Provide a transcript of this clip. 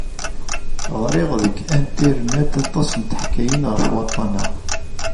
Ɣriɣ deg anternet aṭas n teḥkayin ɣef waṭṭan-a.